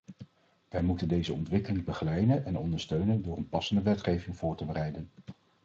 Wij moeten deze ontwikkeling begeleiden en ondersteunen door een passende wetgeving voor te bereiden.